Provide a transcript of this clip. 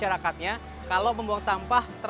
ada yang putih